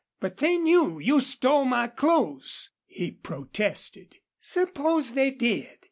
"But they knew you stole my clothes," he protested. "Suppose they did.